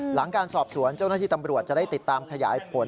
หลังการสอบสวนเจ้าหน้าที่ตำรวจจะได้ติดตามขยายผล